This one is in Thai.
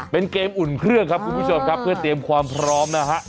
เป็นเกมอุ่นเครื่องครับคุณผู้ชมครับเพื่อเตรียมความพร้อมนะฮะ